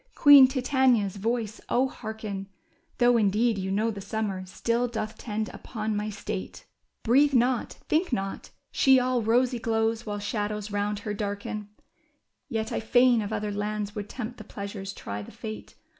Queen Titania's voice, oh, hearken ! Though, indeed, you know the summer still doth tend upon my state ''— WOODS OF WARWICK. 147 Breathe not, think not ! She all rosy glows while shad ows round her darken ! Yet I fain of other lands would tempt the pleasures, try the fate.